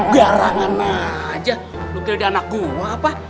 garangan aja lo kira dia anak gua apa